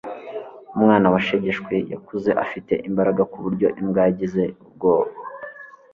umwana washegeshwe yakuze afite imbaraga kuburyo imbwa yagize ubwoba